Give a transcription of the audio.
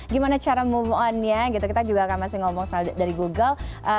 gimana cara move on nya gitu kita juga akan masih ngomong dari google